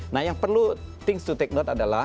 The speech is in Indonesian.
nah yang perlu things to take note adalah